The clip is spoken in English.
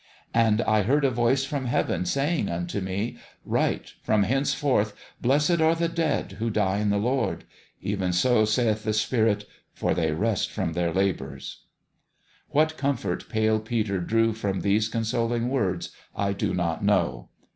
And, I heard a voice from heaven say ing unto me, Write, From henceforth blessed are the dead who die in the Lord : even so saith the Spirit ; for they rest from their labours. What comfort Pale Peter drew from these consoling words, I do not know.